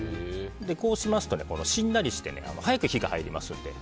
こうしますとしんなりして早く火が入りますので。